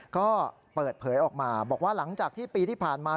ก็เปิดเผยออกมาบอกว่าหลังจากที่ปีที่ผ่านมา